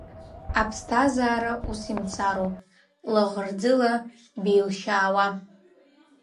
Аԥсҭазаара ус имцароуп, лаӷырӡыла, беилшьаауа.